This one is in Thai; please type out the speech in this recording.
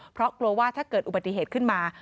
เพราะกลัวว่าถ้าเกิดอุบัติเหตุขึ้นมา